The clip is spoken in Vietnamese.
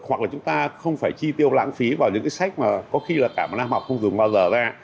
hoặc là chúng ta không phải chi tiêu lãng phí vào những cái sách mà có khi là cả một năm học không dùng bao giờ ra